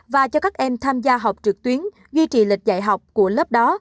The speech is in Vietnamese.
và cho các em tham gia học trực tuyến duy trì lịch dạy học của lớp đó